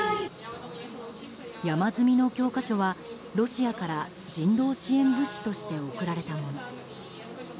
山積みの教科書はロシアから人道支援物資として送られたもの。